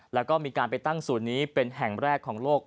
แล้วก็มีการไปตั้งศูนย์นี้เป็นแห่งแรกของโลก